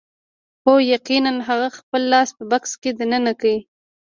هو یقیناً هغه خپل لاس په بکس کې دننه کړ